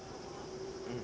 うん。